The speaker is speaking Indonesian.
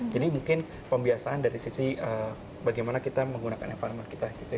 jadi mungkin pembiasaan dari sisi bagaimana kita menggunakan environment kita